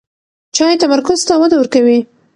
چای تمرکز ته وده ورکوي.